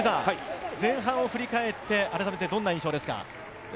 前半を振り返ってどんな印象ですか？